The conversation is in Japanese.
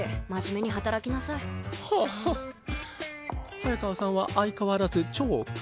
早川さんは相変わらず超クール。